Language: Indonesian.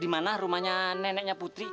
di mana rumahnya neneknya putri